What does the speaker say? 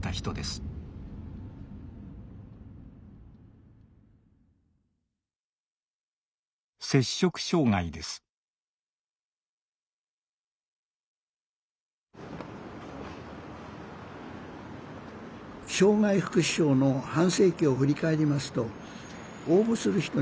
障害福祉賞の半世紀を振り返りますと応募する人に変化が見られます。